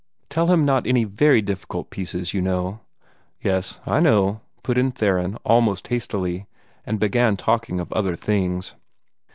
Tell him not any VERY difficult pieces, you know." "Yes, I know," put in Theron, almost hastily, and began talking of other things.